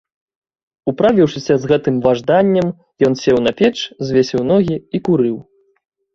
Управіўшыся з гэтым важданнем, ён сеў на печ, звесіў ногі і курыў.